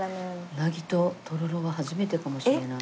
うなぎととろろは初めてかもしれない。